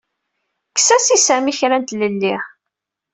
Efk-as i Sami kra n tlelli.